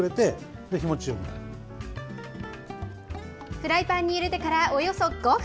フライパンに入れてからおよそ５分。